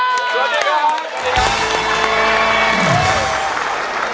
สวัสดีครับ